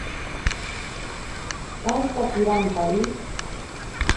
Paita pirantari.